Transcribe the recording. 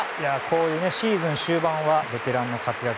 こういうシーズン終盤はベテランの活躍